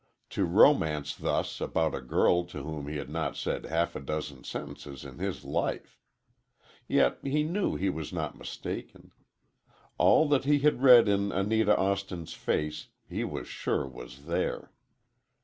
To romance thus about a girl to whom he had not said half a dozen sentences in his life! Yet he knew he was not mistaken. All that he had read in Anita Austin's face, he was sure was there.